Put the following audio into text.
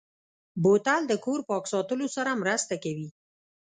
بوتل د کور پاک ساتلو سره مرسته کوي.